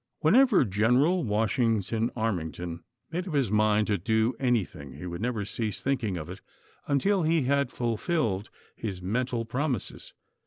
Whenever General Washington AiTnington made up his mind to do anything, he Avould never cease thinking of it until he had fulfilled his mental promises.